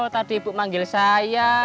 tadi ibu memanggil saya